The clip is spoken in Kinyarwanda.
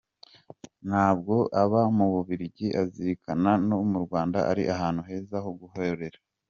Nubwo aba mu Bubiligi azirikana ko mu Rwanda ari ahantu heza ho gukorera.